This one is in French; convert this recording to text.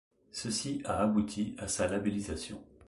Ceci a abouti à sa labellisation.